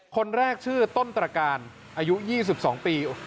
คนแรกชื่อต้นตราการอายุยี่สิบสองปี